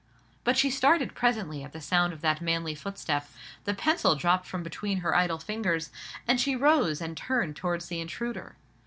But she started presently at the sound of that manly footstep; the pencil dropped from between her idle fingers, and she rose and turned towards the intruder.